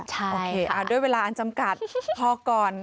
ใช่โอเคด้วยเวลาอันจำกัดพอก่อน